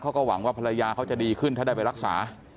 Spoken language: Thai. เขาก็หวังว่าภรรยาเขาจะดีขึ้นถ้าได้ไปรักษา